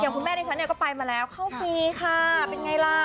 คุณแม่ดิฉันเนี่ยก็ไปมาแล้วเข้าฟรีค่ะเป็นไงล่ะ